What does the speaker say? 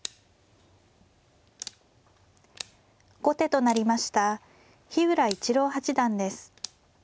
後手となりました日浦市郎八段です。